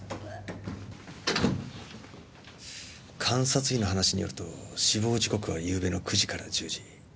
監察医の話によると死亡時刻は昨夜の９時から１０時。